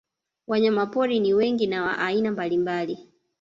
Wanyamapori ni wengi na wa aina mbalimbali